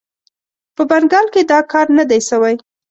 په بنګال کې دا کار نه دی سوی.